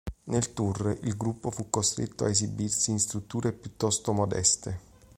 Nel tour, il gruppo fu costretto a esibirsi in strutture piuttosto modeste.